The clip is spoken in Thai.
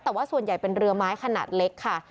แต่ว่าส่วนใหญ่เป็นเรือไม้ขนาดเล็กค่ะ